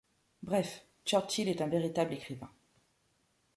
Bref, Churchill est un véritable écrivain.